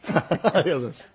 ありがとうございます。